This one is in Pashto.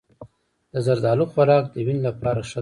د زردالو خوراک د وینې لپاره ښه دی.